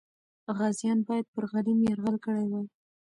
غازیان باید پر غلیم یرغل کړی وای.